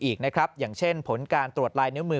อีกนะครับอย่างเช่นผลการตรวจลายนิ้วมือ